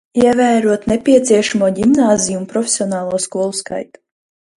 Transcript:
Ievērot nepieciešamo ģimnāziju un profesionālo skolu skaitu.